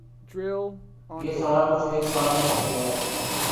یہ سارا کچھ ایک سال میں ہو گیا ہے۔